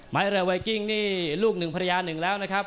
เรือไวกิ้งนี่ลูกหนึ่งภรรยาหนึ่งแล้วนะครับ